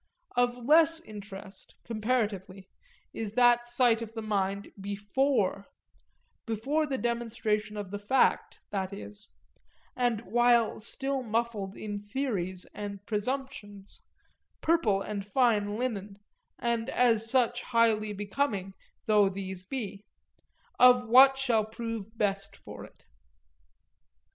Of less interest, comparatively, is that sight of the mind before before the demonstration of the fact, that is, and while still muffled in theories and presumptions (purple and fine linen, and as such highly becoming though these be) of what shall prove best for it.